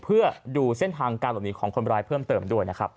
เพื่อดูเส้นทางการหลบหนีของคนร้ายเพิ่มเติมด้วยนะครับ